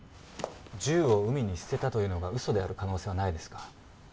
銃を海に捨てたというのがうそである可能性はないですか？